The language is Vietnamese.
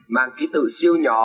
mang ký tử siêu nhỏ